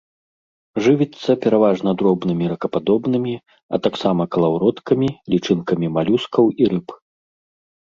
Жывіцца пераважна дробнымі ракападобнымі, а таксама калаўроткамі, лічынкамі малюскаў і рыб.